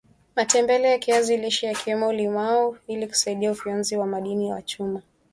matembele ya kiazi lishe yawekwe limao ili kusaidia ufyonzaji wa madini ya chuma